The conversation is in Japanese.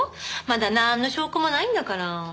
まだなんの証拠もないんだから。